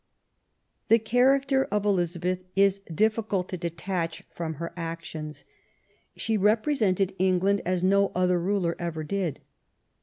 The character of Elizabeth is difficult to detach 304 QUEEN ELIZABETH, from her actions. She represented England as no other ruler ever did.